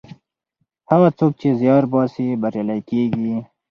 هغه څوک چې زیار باسي بریالی کیږي.